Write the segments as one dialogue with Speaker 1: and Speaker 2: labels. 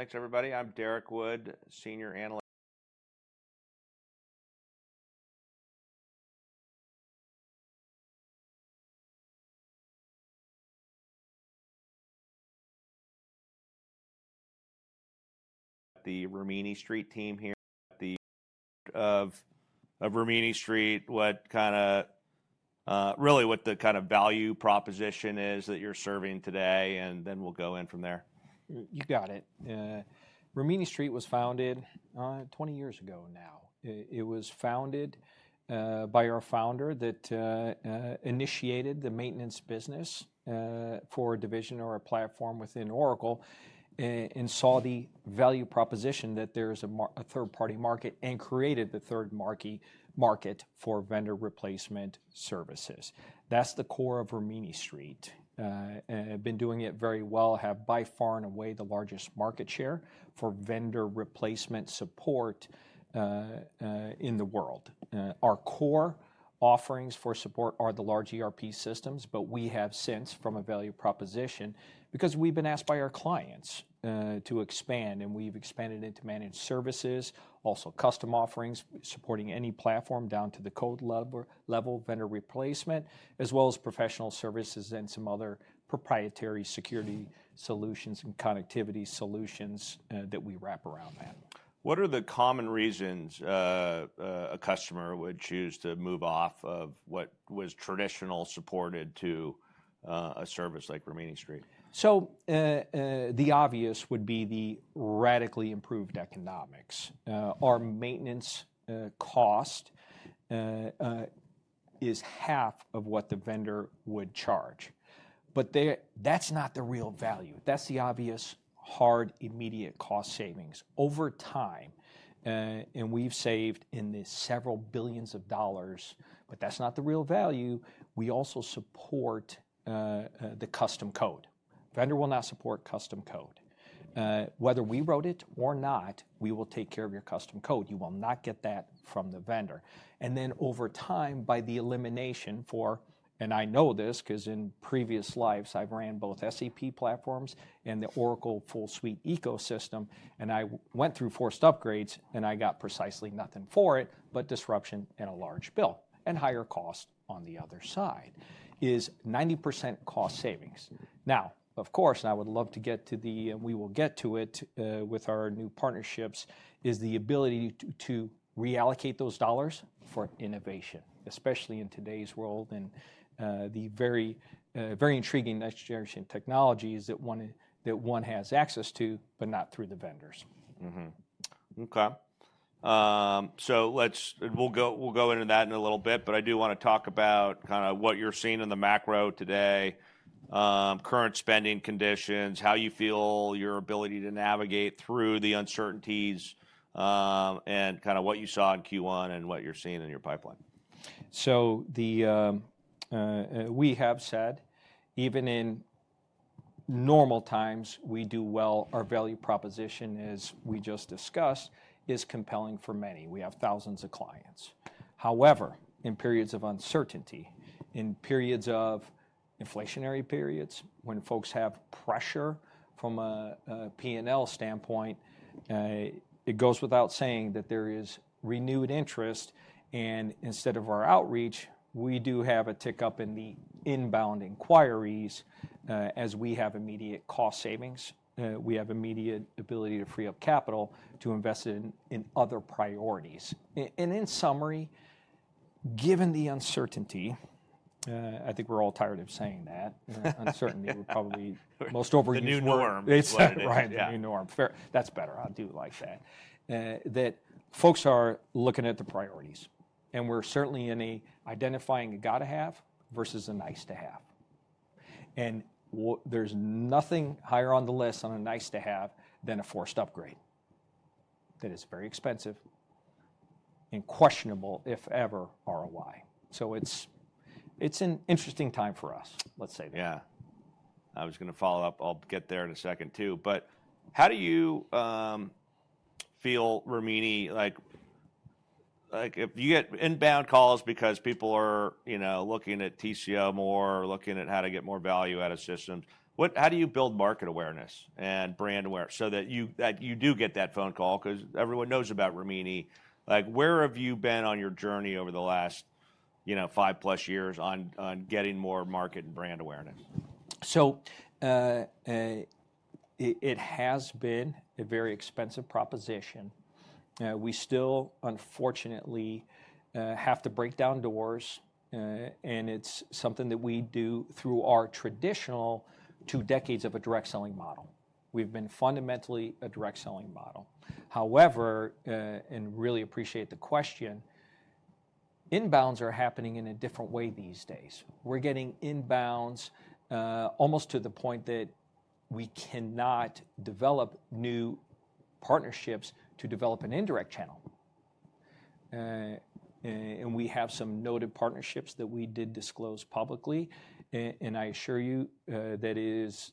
Speaker 1: Great. Thanks, everybody. I'm Derek Wood, Senior Analyst. The Rimini Street team here. Of Rimini Street, what kind of, really what the kind of value proposition is that you're serving today, and then we'll go in from there. You got it. Rimini Street was founded 20 years ago now. It was founded by our founder that initiated the maintenance business for a division or a platform within Oracle, and saw the value proposition that there's a third-party market and created the third-party market for vendor replacement services. That's the core of Rimini Street. Been doing it very well, have by far and away the largest market share for vendor replacement support in the world. Our core offerings for support are the large ERP systems, but we have since, from a value proposition because we've been asked by our clients, to expand, and we've expanded into managed services, also custom offerings, supporting any platform down to the code level vendor replacement, as well as professional services and some other proprietary security solutions and connectivity solutions that we wrap around that. What are the common reasons a customer would choose to move off of what was traditionally supported to a service like Rimini Street? The obvious would be the radically improved economics. Our maintenance cost is half of what the vendor would charge. That is not the real value. That is the obvious hard, immediate cost savings. Over time, and we have saved in this several billions of dollars, but that is not the real value. We also support the custom code. Vendor will not support custom code. Whether we wrote it or not, we will take care of your custom code. You will not get that from the vendor. Over time, by the elimination for, and I know this because in previous lives, I have ran both SAP platforms and the Oracle full suite ecosystem, and I went through forced upgrades, and I got precisely nothing for it but disruption and a large bill and higher cost on the other side. It is 90% cost savings. Now, of course, I would love to get to the, and we will get to it, with our new partnerships, is the ability to reallocate those dollars for innovation, especially in today's world and the very, very intriguing next-generation technologies that one has access to but not through the vendors. Mm-hmm. Okay. So let's, we'll go into that in a little bit, but I do wanna talk about kinda what you're seeing in the macro today, current spending conditions, how you feel your ability to navigate through the uncertainties, and kinda what you saw in Q1 and what you're seeing in your pipeline. We have said, even in normal times, we do well. Our value proposition, as we just discussed, is compelling for many. We have thousands of clients. However, in periods of uncertainty, in periods of inflationary periods, when folks have pressure from a P&L standpoint, it goes without saying that there is renewed interest, and instead of our outreach, we do have a tick up in the inbound inquiries, as we have immediate cost savings. We have immediate ability to free up capital to invest in other priorities. And in summary, given the uncertainty, I think we're all tired of saying that. Uncertainty would probably most overuse. The new norm. It's right. Right. The new norm. Fair. That's better. I do like that. That folks are looking at the priorities, and we're certainly identifying a gotta have versus a nice to have. There's nothing higher on the list on a nice to have than a forced upgrade that is very expensive and questionable, if ever, ROI. It's an interesting time for us, let's say that. Yeah. I was gonna follow up. I'll get there in a second too. But how do you feel, Rimini? Like, like, if you get inbound calls because people are, you know, looking at TCO more, looking at how to get more value out of systems, what, how do you build market awareness and brand awareness so that you do get that phone call 'cause everyone knows about Rimini? Like, where have you been on your journey over the last, you know, five-plus years on, on getting more market and brand awareness? It has been a very expensive proposition. We still, unfortunately, have to break down doors, and it's something that we do through our traditional two decades of a direct selling model. We've been fundamentally a direct selling model. However, and really appreciate the question, inbounds are happening in a different way these days. We're getting inbounds, almost to the point that we cannot develop new partnerships to develop an indirect channel. We have some noted partnerships that we did disclose publicly, and I assure you, that it is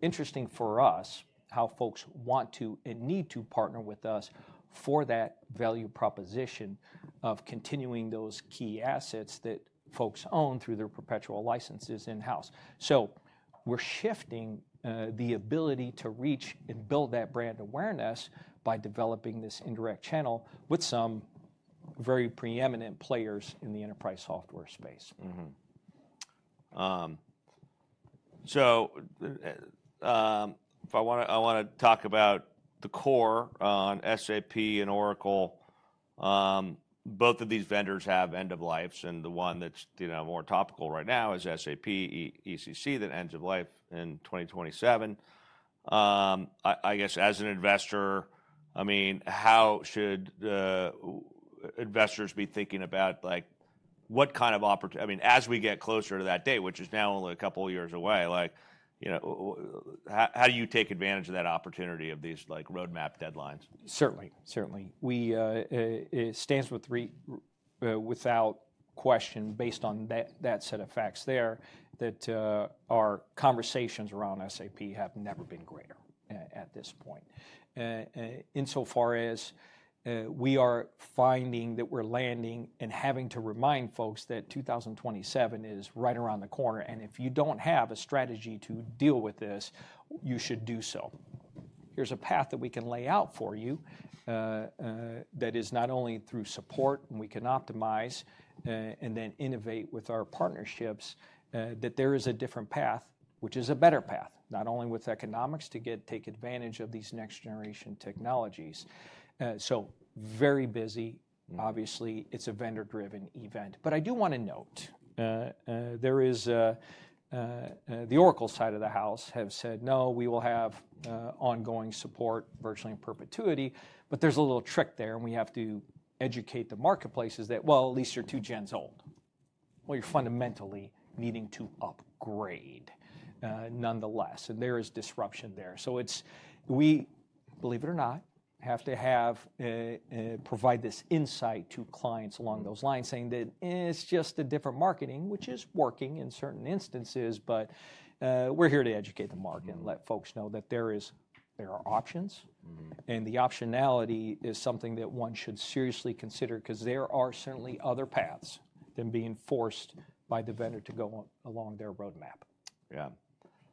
Speaker 1: interesting for us how folks want to and need to partner with us for that value proposition of continuing those key assets that folks own through their perpetual licenses in-house. We're shifting the ability to reach and build that brand awareness by developing this indirect channel with some very preeminent players in the enterprise software space. Mm-hmm. So, if I wanna talk about the core on SAP and Oracle, both of these vendors have end-of-lives, and the one that's, you know, more topical right now is SAP ECC that ends of life in 2027. I guess as an investor, I mean, how should investors be thinking about, like, what kind of opportu—I mean, as we get closer to that date, which is now only a couple of years away, like, you know, how do you take advantage of that opportunity of these, like, roadmap deadlines? Certainly. Certainly. It stands without question, based on that set of facts there, that our conversations around SAP have never been greater at this point. In so far as we are finding that we're landing and having to remind folks that 2027 is right around the corner, and if you don't have a strategy to deal with this, you should do so. Here's a path that we can lay out for you that is not only through support, and we can optimize, and then innovate with our partnerships, that there is a different path, which is a better path, not only with economics to take advantage of these next-generation technologies. So very busy. Mm-hmm. Obviously, it's a vendor-driven event. I do wanna note, there is, the Oracle side of the house have said, "No, we will have, ongoing support virtually in perpetuity." There is a little trick there, and we have to educate the marketplace is that, at least you're two gens old. You're fundamentally needing to upgrade, nonetheless. There is disruption there. We believe it or not have to have, provide this insight to clients along those lines saying that it's just a different marketing, which is working in certain instances, but we're here to educate the market and let folks know that there is there are options. Mm-hmm. The optionality is something that one should seriously consider 'cause there are certainly other paths than being forced by the vendor to go along their roadmap. Yeah.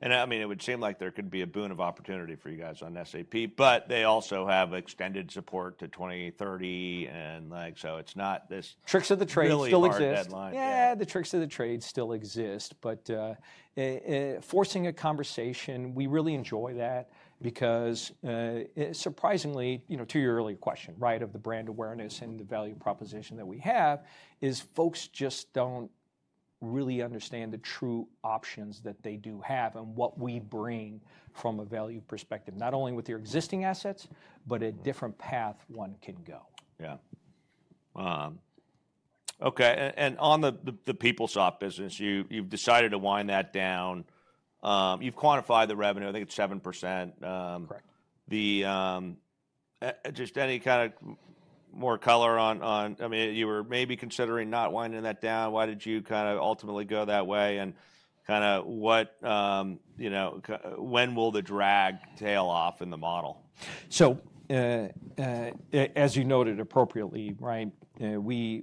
Speaker 1: And, I mean, it would seem like there could be a boon of opportunity for you guys on SAP, but they also have extended support to 2030, and, like, so it's not this. Tricks of the trade still exist. Really hard deadline. Yeah. The tricks of the trade still exist, but, forcing a conversation, we really enjoy that because, surprisingly, you know, to your earlier question, right, of the brand awareness and the value proposition that we have, is folks just do not really understand the true options that they do have and what we bring from a value perspective, not only with your existing assets, but a different path one can go. Yeah. Okay. And on the PeopleSoft business, you've decided to wind that down. You've quantified the revenue. I think it's 7%. Correct. Just any kinda more color on, on I mean, you were maybe considering not winding that down. Why did you kinda ultimately go that way? And kinda what, you know, when will the drag tail off in the model? As you noted appropriately, right, the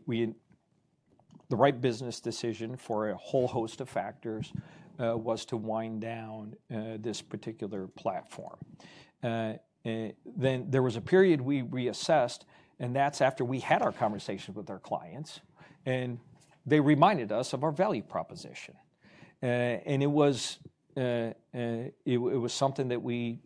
Speaker 1: right business decision for a whole host of factors was to wind down this particular platform. Then there was a period we reassessed, and that's after we had our conversations with our clients, and they reminded us of our value proposition. It was something that we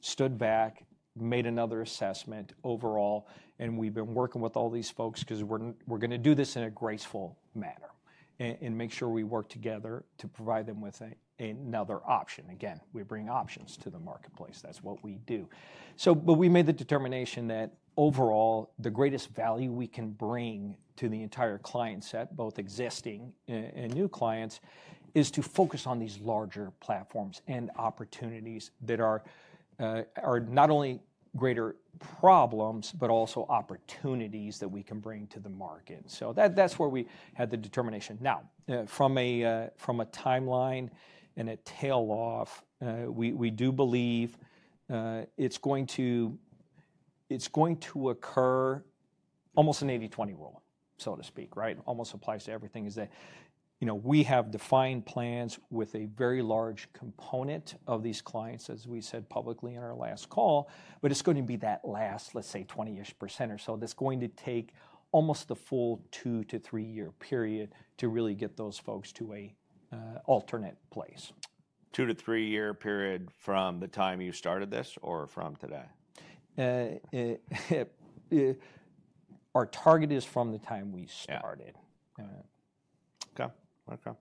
Speaker 1: stood back, made another assessment overall, and we've been working with all these folks because we're going to do this in a graceful manner and make sure we work together to provide them with another option. Again, we bring options to the marketplace. That's what we do. We made the determination that overall, the greatest value we can bring to the entire client set, both existing and new clients, is to focus on these larger platforms and opportunities that are not only greater problems but also opportunities that we can bring to the market. That is where we had the determination. Now, from a timeline and a tail off, we do believe it is going to occur almost an 80/20 rule, so to speak, right? Almost applies to everything, is that, you know, we have defined plans with a very large component of these clients, as we said publicly in our last call, but it is going to be that last, let's say, 20% or so that is going to take almost the full two to three-year period to really get those folks to an alternate place. Two to three-year period from the time you started this or from today? Our target is from the time we started. Yeah. Okay. Okay.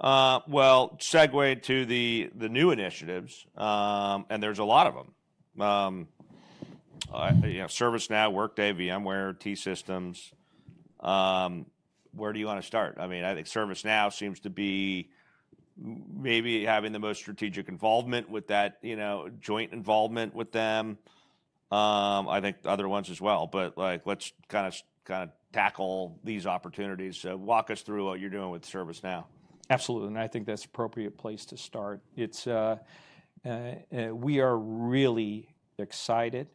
Speaker 1: Segue to the new initiatives, and there's a lot of them. You know, ServiceNow, Workday, VMware, T-Systems. Where do you wanna start? I mean, I think ServiceNow seems to be maybe having the most strategic involvement with that, you know, joint involvement with them. I think other ones as well. Like, let's kinda tackle these opportunities. So walk us through what you're doing with ServiceNow. Absolutely. I think that's an appropriate place to start. We are really excited.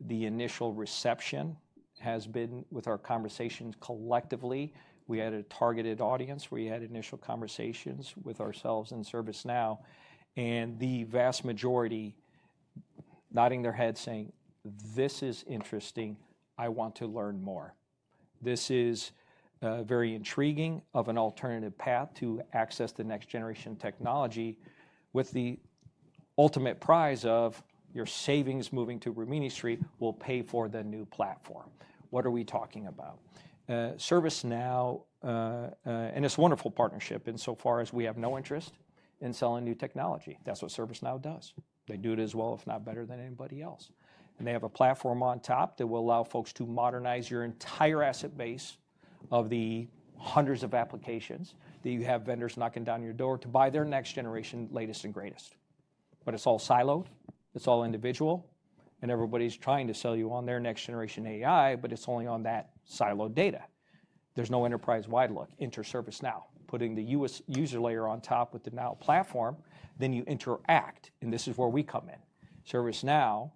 Speaker 1: The initial reception has been with our conversations collectively. We had a targeted audience. We had initial conversations with ourselves and ServiceNow, and the vast majority nodding their head saying, "This is interesting. I want to learn more. This is very intriguing of an alternative path to access the next-generation technology with the ultimate prize of your savings moving to Rimini Street will pay for the new platform." What are we talking about? ServiceNow, and it's a wonderful partnership insofar as we have no interest in selling new technology. That's what ServiceNow does. They do it as well, if not better than anybody else. They have a platform on top that will allow folks to modernize your entire asset base of the hundreds of applications that you have vendors knocking down your door to buy their next-generation latest and greatest. It is all siloed. It is all individual, and everybody is trying to sell you on their next-generation AI, but it is only on that siloed data. There is no enterprise-wide look. Enter ServiceNow. Putting the user layer on top with the Now platform, you interact, and this is where we come in. ServiceNow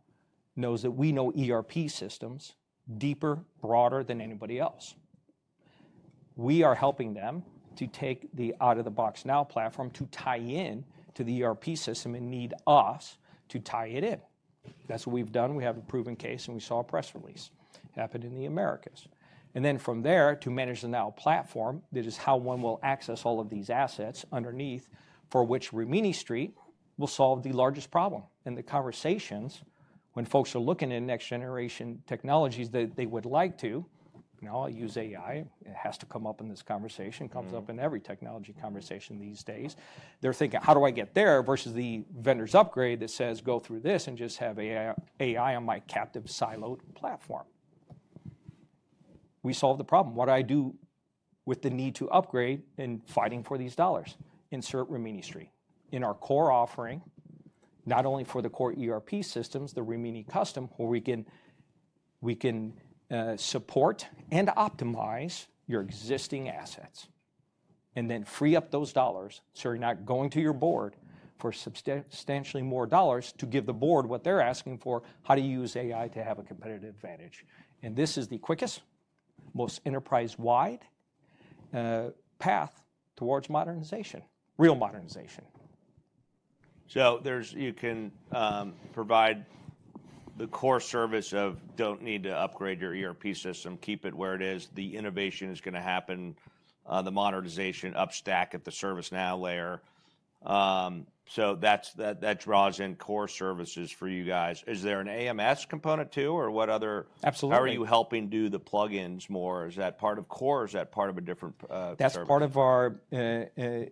Speaker 1: knows that we know ERP systems deeper, broader than anybody else. We are helping them to take the out-of-the-box Now platform to tie in to the ERP system and need us to tie it in. That is what we have done. We have a proven case, and we saw a press release happen in the Americas. From there, to manage the Now platform, that is how one will access all of these assets underneath for which Rimini Street will solve the largest problem. The conversations when folks are looking at next-generation technologies that they would like to, now I'll use AI. It has to come up in this conversation. It comes up in every technology conversation these days. They're thinking, "How do I get there?" versus the vendor's upgrade that says, "Go through this and just have AI, AI on my captive siloed platform." We solve the problem. What do I do with the need to upgrade and fighting for these dollars? Insert Rimini Street in our core offering, not only for the core ERP systems, the Rimini Custom, where we can support and optimize your existing assets and then free up those dollars so you're not going to your board for substantially more dollars to give the board what they're asking for. How do you use AI to have a competitive advantage? This is the quickest, most enterprise-wide, path towards modernization, real modernization. There's, you can provide the core service of don't need to upgrade your ERP system, keep it where it is. The innovation is gonna happen, the modernization upstack at the ServiceNow layer. So that's, that draws in core services for you guys. Is there an AMS component too, or what other? Absolutely. How are you helping do the plug-ins more? Is that part of core? Is that part of a different test? That's part of our, when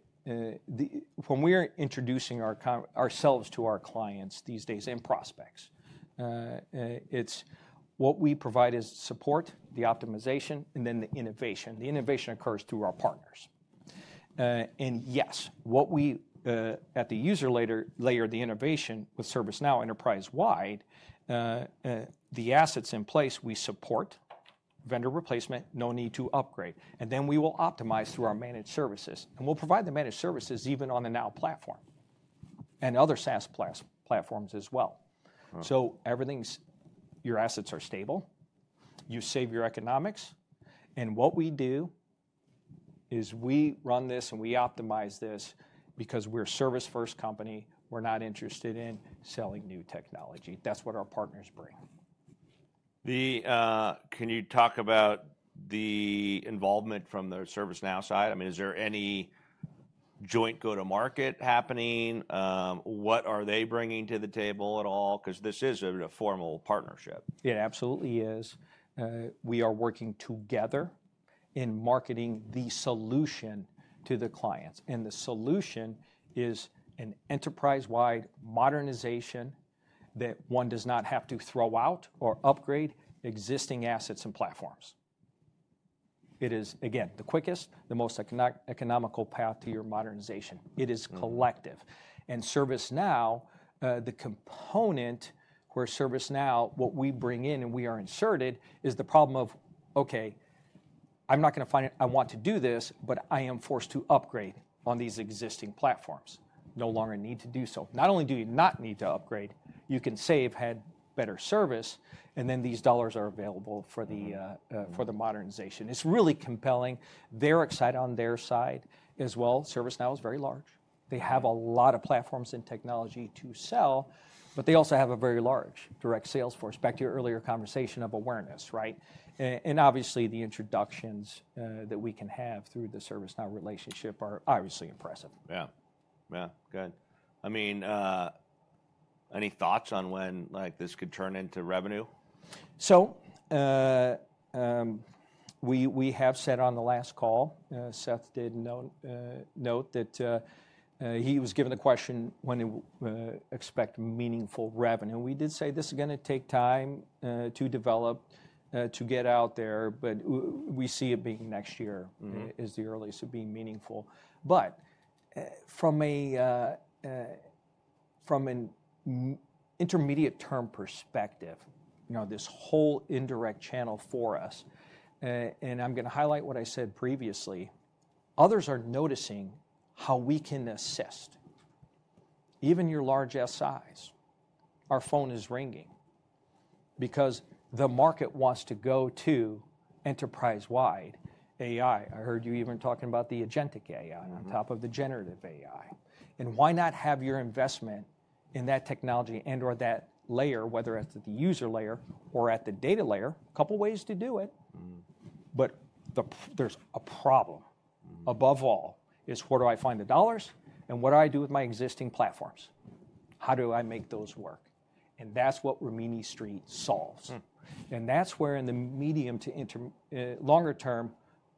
Speaker 1: we are introducing ourselves to our clients these days and prospects, it's what we provide is support, the optimization, and then the innovation. The innovation occurs through our partners. Yes, what we, at the user layer, the innovation with ServiceNow enterprise-wide, the assets in place, we support vendor replacement, no need to upgrade. We will optimize through our managed services, and we'll provide the managed services even on the Now platform and other SaaS platforms as well. Mm-hmm. Everything's your assets are stable. You save your economics. And what we do is we run this and we optimize this because we're a service-first company. We're not interested in selling new technology. That's what our partners bring. Can you talk about the involvement from the ServiceNow side? I mean, is there any joint go-to-market happening? What are they bringing to the table at all? 'Cause this is a formal partnership. It absolutely is. We are working together in marketing the solution to the clients, and the solution is an enterprise-wide modernization that one does not have to throw out or upgrade existing assets and platforms. It is, again, the quickest, the most economical path to your modernization. It is collective. ServiceNow, the component where ServiceNow, what we bring in and we are inserted, is the problem of, "Okay, I'm not gonna find it. I want to do this, but I am forced to upgrade on these existing platforms." No longer need to do so. Not only do you not need to upgrade, you can save, have better service, and then these dollars are available for the modernization. It's really compelling. They're excited on their side as well. ServiceNow is very large. They have a lot of platforms and technology to sell, but they also have a very large direct sales force. Back to your earlier conversation of awareness, right? And obviously, the introductions that we can have through the ServiceNow relationship are obviously impressive. Yeah. Yeah. Good. I mean, any thoughts on when, like, this could turn into revenue? We have said on the last call, Seth did note that he was given the question when to expect meaningful revenue. We did say this is gonna take time to develop, to get out there, but we see it being next year. Mm-hmm. Is the earliest of being meaningful. From an intermediate-term perspective, you know, this whole indirect channel for us, and I'm gonna highlight what I said previously, others are noticing how we can assist. Even your large SIs, our phone is ringing because the market wants to go to enterprise-wide AI. I heard you even talking about the agentic AI on top of the generative AI. Why not have your investment in that technology and/or that layer, whether at the user layer or at the data layer? A couple ways to do it. Mm-hmm. There's a problem. Mm-hmm. Above all is, where do I find the dollars? What do I do with my existing platforms? How do I make those work? That's what Rimini Street solves. Mm-hmm. That's where in the medium to inter, longer term,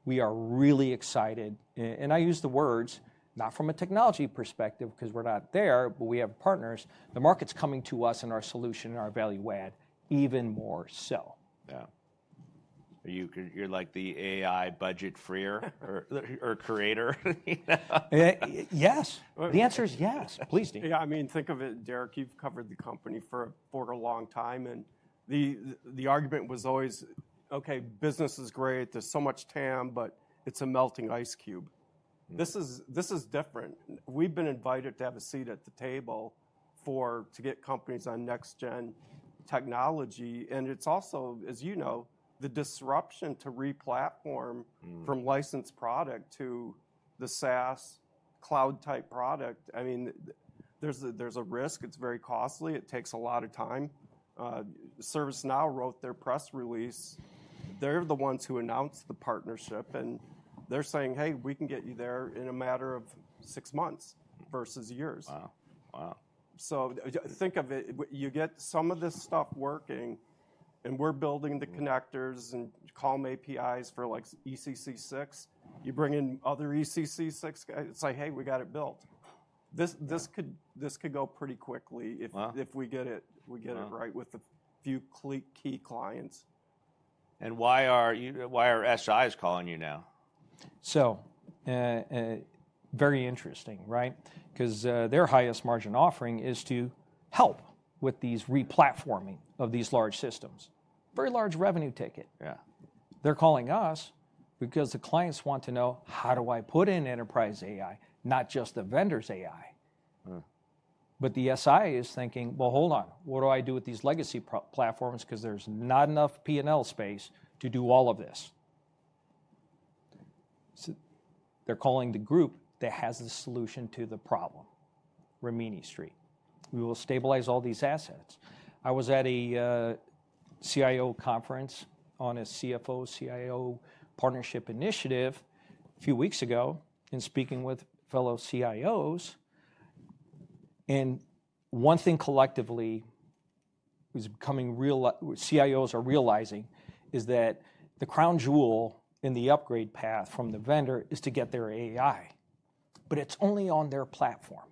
Speaker 1: we are really excited. I use the words not from a technology perspective 'cause we're not there, but we have partners. The market's coming to us and our solution and our value add even more so. Yeah. Are you c, you're like the AI budget freer or, or creator? Yes. The answer is yes. Please do. Yeah. I mean, think of it, Derek. You've covered the company for a long time, and the argument was always, "Okay, business is great. There's so much TAM, but it's a melting ice cube." This is different. We've been invited to have a seat at the table to get companies on next-gen technology. And it's also, as you know, the disruption to replatform. Mm-hmm. From licensed product to the SaaS cloud-type product. I mean, there's a risk. It's very costly. It takes a lot of time. ServiceNow wrote their press release. They're the ones who announced the partnership, and they're saying, "Hey, we can get you there in a matter of six months versus years. Wow. Wow. Think of it. When you get some of this stuff working, and we're building the connectors and COM APIs for, like, ECC6, you bring in other ECC6 guys. It's like, "Hey, we got it built." This could go pretty quickly if. Wow. If we get it, we get it right with a few key clients. Why are you why are SIs calling you now? Very interesting, right? 'Cause their highest margin offering is to help with these replatforming of these large systems. Very large revenue ticket. Yeah. They're calling us because the clients want to know, "How do I put in enterprise AI, not just the vendor's AI? Mm-hmm. The SI is thinking, "Well, hold on. What do I do with these legacy pro platforms? 'Cause there's not enough P&L space to do all of this." They're calling the group that has the solution to the problem, Rimini Street. We will stabilize all these assets. I was at a CIO conference on a CFO-CIO partnership initiative a few weeks ago and speaking with fellow CIOs. One thing collectively is becoming real CIOs are realizing is that the crown jewel in the upgrade path from the vendor is to get their AI, but it's only on their platform.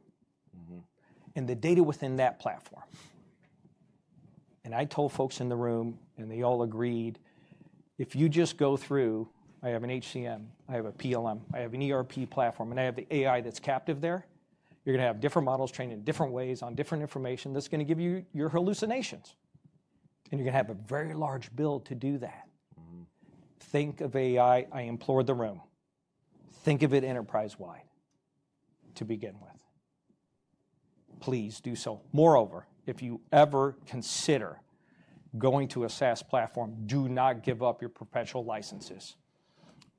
Speaker 1: Mm-hmm. The data within that platform. I told folks in the room, and they all agreed, "If you just go through, I have an HCM, I have a PLM, I have an ERP platform, and I have the AI that's captive there, you're gonna have different models trained in different ways on different information. That's gonna give you your hallucinations, and you're gonna have a very large build to do that. Mm-hmm. Think of AI. I implore the room. Think of it enterprise-wide to begin with. Please do so. Moreover, if you ever consider going to a SaaS platform, do not give up your perpetual licenses.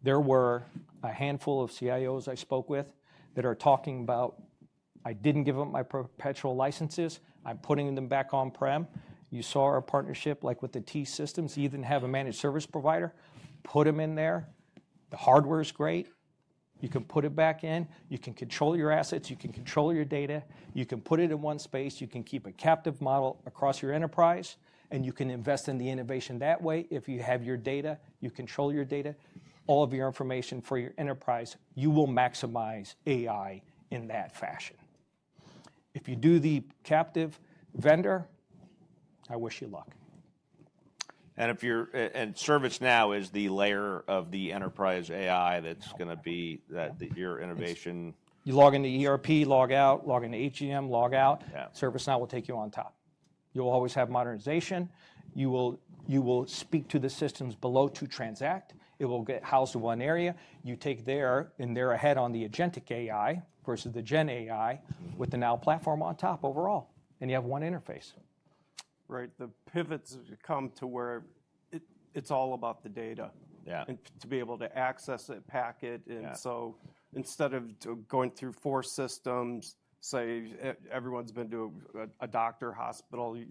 Speaker 1: There were a handful of CIOs I spoke with that are talking about, "I didn't give up my perpetual licenses. I'm putting them back on-prem. You saw our partnership, like, with the T-Systems. You even have a managed service provider. Put them in there. The hardware's great. You can put it back in. You can control your assets. You can control your data. You can put it in one space. You can keep a captive model across your enterprise, and you can invest in the innovation that way. If you have your data, you control your data, all of your information for your enterprise, you will maximize AI in that fashion. If you do the captive vendor, I wish you luck. If you're a-and ServiceNow is the layer of the enterprise AI that's gonna be that your innovation. You log into ERP, log out, log into HCM, log out. Yeah. ServiceNow will take you on top. You'll always have modernization. You will speak to the systems below to transact. It will get housed in one area. You take there, and they're ahead on the agentic AI versus the gen AI with the Now platform on top overall, and you have one interface. Right. The pivots come to where it-it's all about the data. Yeah. To be able to access it, pack it. Yeah. Instead of going through four systems, everyone's been to a doctor, hospital, you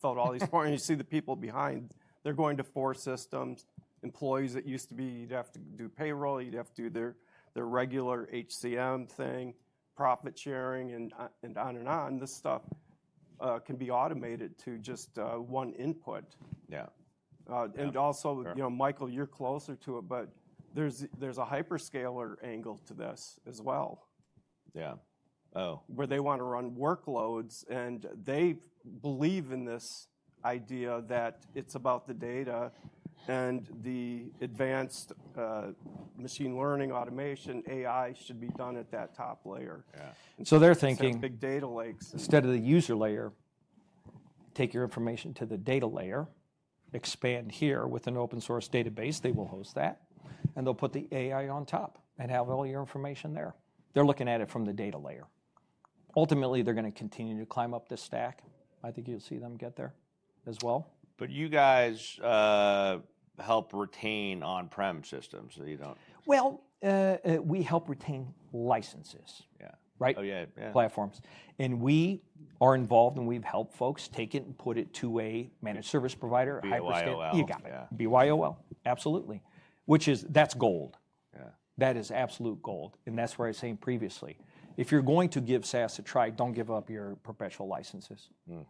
Speaker 1: filled all these forms, you see the people behind. They're going to four systems. Employees that used to be you'd have to do payroll. You'd have to do their regular HCM thing, profit sharing, and on and on. This stuff can be automated to just one input. Yeah. and also. Yeah. You know, Michael, you're closer to it, but there's a hyperscaler angle to this as well. Yeah. Oh. Where they wanna run workloads, and they believe in this idea that it's about the data and the advanced, machine learning automation. AI should be done at that top layer. Yeah. They're thinking. It's like big data lakes. Instead of the user layer, take your information to the data layer, expand here with an open-source database. They will host that, and they'll put the AI on top and have all your information there. They're looking at it from the data layer. Ultimately, they're gonna continue to climb up the stack. I think you'll see them get there as well. You guys help retain on-prem systems, so you don't. We help retain licenses. Yeah. Right? Oh, yeah. Yeah. Platforms. We are involved, and we've helped folks take it and put it to a managed service provider. BYOL. You got it. BYOL. Yeah. Absolutely. Which is, that's gold. Yeah. That is absolute gold. That is what I was saying previously. If you're going to give SaaS a try, don't give up your perpetual licenses. Mm-hmm.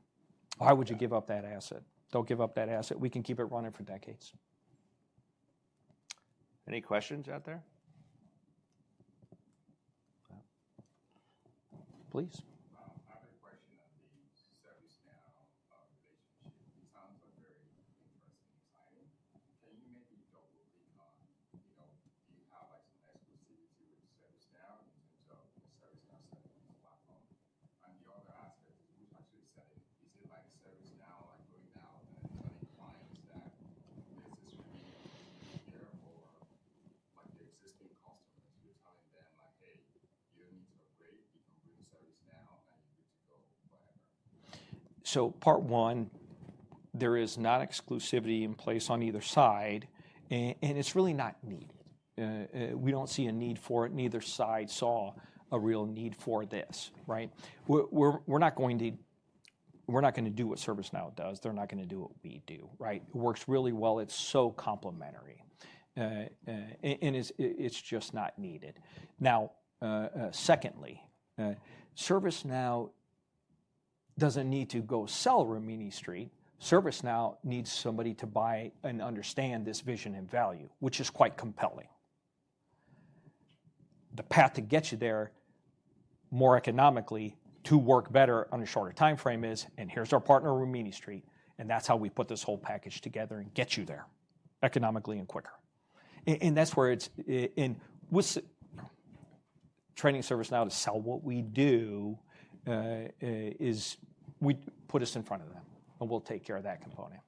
Speaker 1: Why would you give up that asset? Don't give up that asset. We can keep it running for decades. Any questions out there? No? Please. I have a question on the ServiceNow relationship. The terms are very interesting and exciting. Can you maybe double click on, you know, do you have, like, some exclusivity with ServiceNow in terms of the ServiceNow selling this platform? The other aspect is, who's actually selling? Is it, like, ServiceNow, like, customers? You're telling them, like, "Hey, you don't need to upgrade. You can bring ServiceNow, and you're good to go," whatever. Part one, there is not exclusivity in place on either side, and it's really not needed. We don't see a need for it. Neither side saw a real need for this, right? We're not going to do what ServiceNow does. They're not gonna do what we do, right? It works really well. It's so complementary, and it's just not needed. Now, secondly, ServiceNow doesn't need to go sell Rimini Street. ServiceNow needs somebody to buy and understand this vision and value, which is quite compelling. The path to get you there more economically to work better on a shorter timeframe is, "And here's our partner, Rimini Street, and that's how we put this whole package together and get you there economically and quicker." And that's where it's, and what's training ServiceNow to sell what we do, is we put us in front of them, and we'll take care of that component.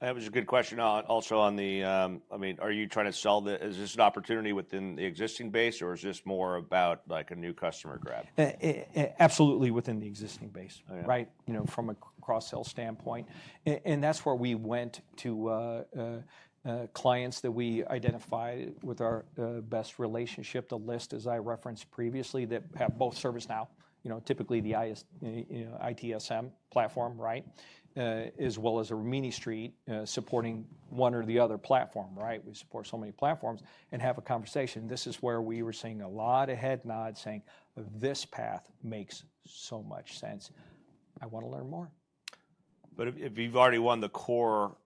Speaker 1: That was a good question. Also, on the, I mean, are you trying to sell the, is this an opportunity within the existing base, or is this more about, like, a new customer grab? Absolutely within the existing base. Oh, yeah. Right? You know, from a cross-sale standpoint. And that's where we went to clients that we identified with our best relationship, the list, as I referenced previously, that have both ServiceNow, you know, typically the IS, you know, ITSM platform, right, as well as Rimini Street, supporting one or the other platform, right? We support so many platforms and have a conversation. This is where we were seeing a lot of head nods saying, "This path makes so much sense. I wanna learn more. If you've already won the core,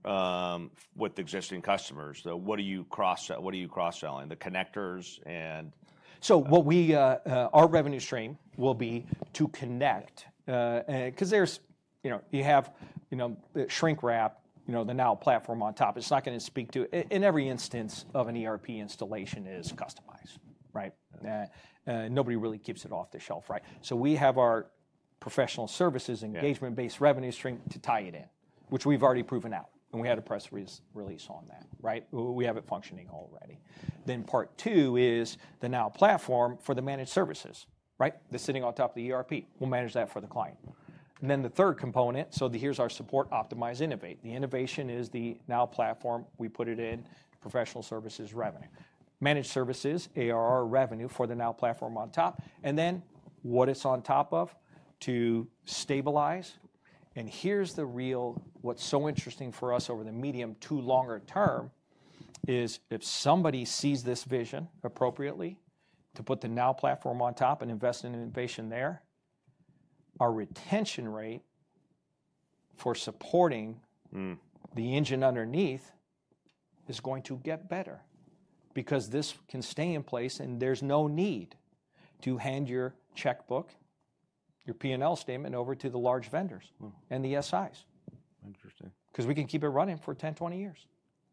Speaker 1: with existing customers, though, what are you cross-sell? What are you cross-selling? The connectors and. What we, our revenue stream will be to connect, 'cause there's, you know, you have, you know, the shrink wrap, you know, the Now platform on top. It's not gonna speak to a-and every instance of an ERP installation is customized, right? Mm-hmm. Nobody really keeps it off the shelf, right? We have our professional services engagement-based revenue stream to tie it in, which we've already proven out, and we had a press release on that, right? We have it functioning already. Part two is the Now platform for the managed services, right? They're sitting on top of the ERP. We'll manage that for the client. The third component, so here's our support, optimize, innovate. The innovation is the Now platform. We put it in professional services revenue. Managed services, ARR revenue for the Now platform on top. Then what it's on top of to stabilize. Here's the real what's so interesting for us over the medium to longer term is if somebody sees this vision appropriately to put the Now platform on top and invest in innovation there, our retention rate for supporting. Mm-hmm. The engine underneath is going to get better because this can stay in place, and there's no need to hand your checkbook, your P&L statement over to the large vendors. Mm-hmm. The SIs. Interesting. 'Cause we can keep it running for 10 years-20 years.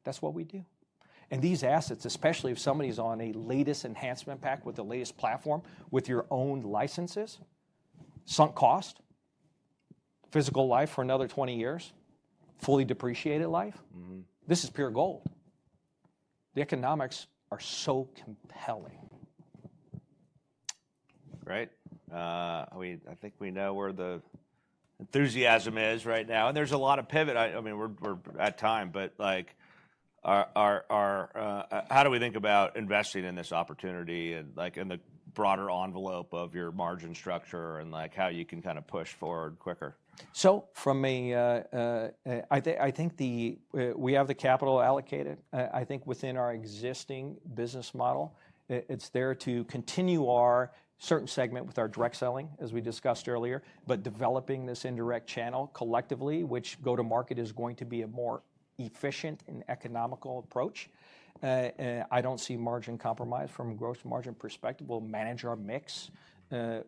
Speaker 1: That's what we do. And these assets, especially if somebody's on a latest enhancement pack with the latest platform with your own licenses, sunk cost, physical life for another 20 years, fully depreciated life. Mm-hmm. This is pure gold. The economics are so compelling. Great. I think we know where the enthusiasm is right now, and there's a lot of pivot. I mean, we're at time, but, like, how do we think about investing in this opportunity and, like, in the broader envelope of your margin structure and, like, how you can kinda push forward quicker? I think we have the capital allocated. I think within our existing business model, it's there to continue our certain segment with our direct selling, as we discussed earlier, but developing this indirect channel collectively, which go-to-market is going to be a more efficient and economical approach. I don't see margin compromise from a gross margin perspective. We'll manage our mix,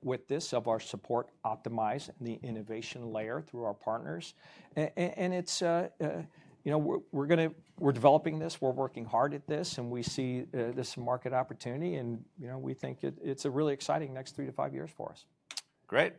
Speaker 1: with this of our support, optimize the innovation layer through our partners. And it's, you know, we're developing this. We're working hard at this, and we see this market opportunity, and, you know, we think it's a really exciting next three to five years for us. Great.